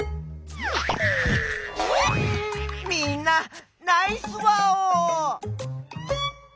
みんなナイスワオ！